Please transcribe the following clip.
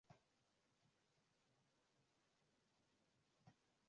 Alifanya utetezi kule Roma Italia na Paris Ufaransa kuhusu umuhimu wa nchi husika